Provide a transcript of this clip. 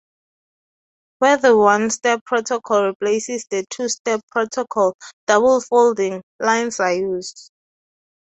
Where the one step protocol replaces the two-step protocol, "double folding" lines are used.